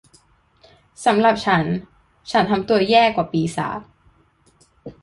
สำหรับฉันฉันทำให้ตัวเองแย่กว่าปีศาจ